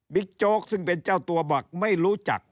โจ๊กซึ่งเป็นเจ้าตัวบอกไม่รู้จัก